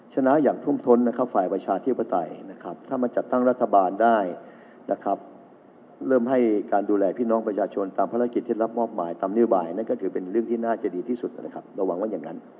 ชนะอย่างทุ่มท้นนะครับฝ่ายประชาธิปไตยนะครับถ้ามาจัดตั้งรัฐบาลได้นะครับเริ่มให้การดูแลพี่น้องประชาชนตามภารกิจที่รับมอบหมายตามนโยบายนั่นก็ถือเป็นเรื่องที่น่าจะดีที่สุดนะครับระวังว่าอย่างนั้น